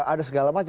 ada segala macam